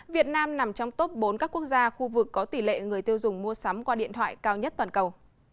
việt nam nằm trong top bốn các quốc gia khu vực có tỷ lệ người tiêu dùng mua sắm qua điện thoại cao nhất toàn cầu